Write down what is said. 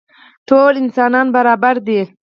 ټول انسانان برابر دي.